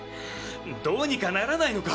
どうにかならないのか？